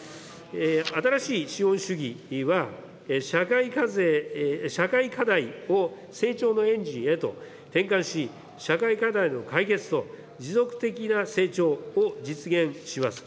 新しい資本主義は、社会課題を成長のエンジンへと転換し、社会課題の解決と持続的な成長を実現します。